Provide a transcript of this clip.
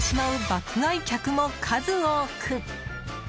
爆買い客も数多く。